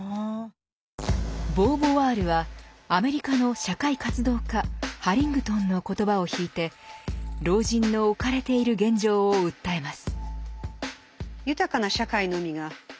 ボーヴォワールはアメリカの社会活動家ハリングトンの言葉を引いて老人の置かれている現状を訴えます。